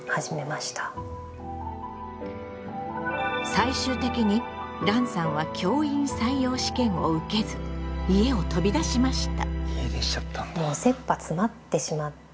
最終的にランさんは教員採用試験を受けず家を飛び出しました。